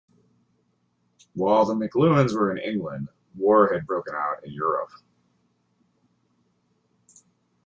While the McLuhans were in England, war had broken out in Europe.